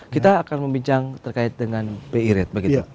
kita akan membincang terkait dengan bi red